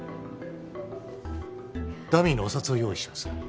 ダミーのお札を用意します